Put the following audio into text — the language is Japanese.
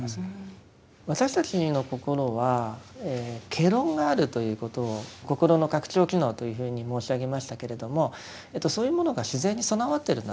私たちの心は戯論があるということを心の拡張機能というふうに申し上げましたけれどもそういうものが自然に備わってるんだと思います。